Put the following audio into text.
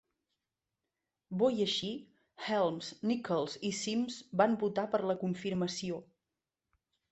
Bo i així, Helms, Nickles i Symms van votar per la confirmació.